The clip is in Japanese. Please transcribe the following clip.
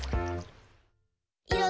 「いろ